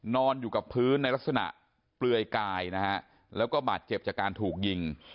นอนอยู่กับพื้นในลักษณะเปลือยกายนะฮะแล้วก็บาดเจ็บจากการถูกยิง